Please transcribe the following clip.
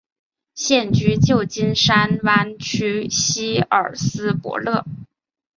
现居旧金山湾区希尔斯伯勒。